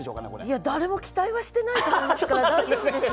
いや誰も期待はしてないと思いますから大丈夫ですよ。